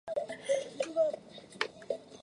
吴郡墓的历史年代为清。